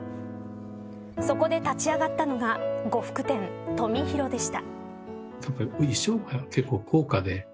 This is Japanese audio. そこで立ち上がったのが呉服店とみひろでした。